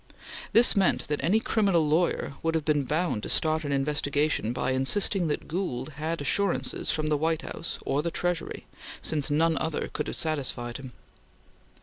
This meant that any criminal lawyer would have been bound to start an investigation by insisting that Gould had assurances from the White House or the Treasury, since none other could have satisfied him.